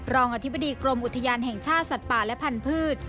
รองอธิบดีกรมอุทยานแห่งชาติสัตว์ป่าและพันธุ์